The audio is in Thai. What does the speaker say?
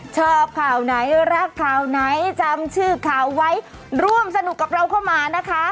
ชอบข่าวไหนรักข่าวไหนจำชื่อข่าวไว้ร่วมสนุกกับเราเข้ามานะคะ